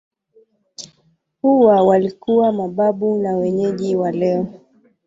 Hawa walikuwa mababu wa wenyeji wa leo.